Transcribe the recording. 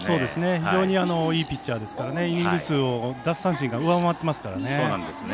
非常にいいピッチャーですからイニング数を上回ってますからね。